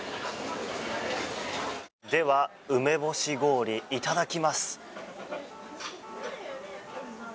では、梅干し氷いただきます。